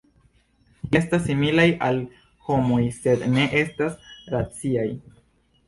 Ili estas similaj al homoj, sed ne estas raciaj.